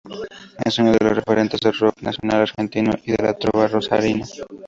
Es uno de los referentes del Rock nacional argentino y de la Trova rosarina.